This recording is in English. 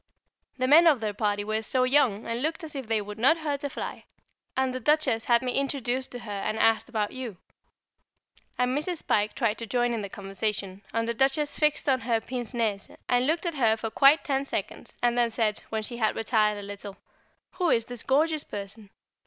The men of their party were so young, and looked as if they would not hurt a fly, and the Duchess had me introduced to her and asked about you. And Mrs. Pike tried to join in the conversation, and the Duchess fixed on her pince nez and looked at her for quite ten seconds, and then said, when she had retired a little, "Who is this gorgeous person?"